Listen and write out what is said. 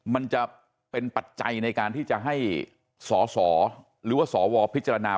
มันจะเป็นปัจจัยในการที่จะให้สสหรือว่าสวพิจารณา